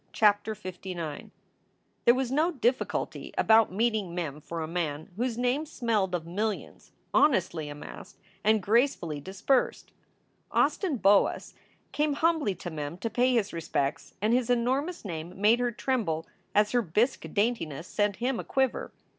CHAPTER LIX r ~pHERE was no difficulty about meeting Mem for a man 1 whose name smelled of millions honestly amassed and gracefully dispersed. Austin Boas came humbly to Mem to pay his respects, and his enormous name made her tremble as her bisque daintiness set him aquiver.